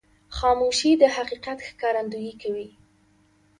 خاموشي، د حقیقت ښکارندویي کوي.